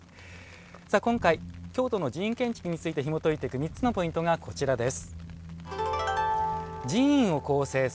今回京都の寺院建築についてひもといていく３つのポイントです。